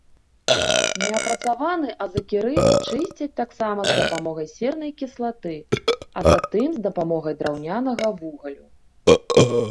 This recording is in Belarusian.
Неапрацаваны азакерыт чысцяць таксама з дапамогай сернай кіслаты, а затым з дапамогай драўнянага вугалю.